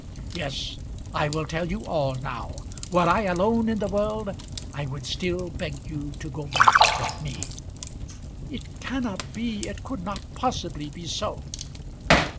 Yes, I will tell you all now. Were I alone in the world, I would still beg you to go back with me." "It cannot be; it could not possibly be so."